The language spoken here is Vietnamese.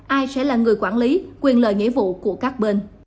ai sẽ là người quản lý quyền lợi nghĩa vụ của các bên